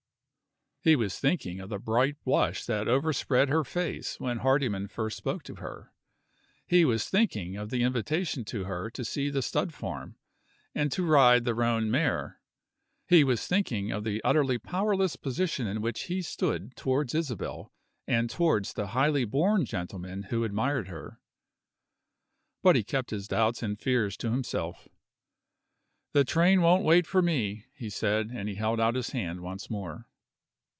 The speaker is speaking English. He was thinking of the bright blush that overspread her face when Hardyman first spoke to her; he was thinking of the invitation to her to see the stud farm, and to ride the roan mare; he was thinking of the utterly powerless position in which he stood towards Isabel and towards the highly born gentleman who admired her. But he kept his doubts and fears to himself. "The train won't wait for me," he said, and held out his hand once more.